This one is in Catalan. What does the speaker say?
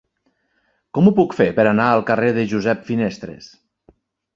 Com ho puc fer per anar al carrer de Josep Finestres?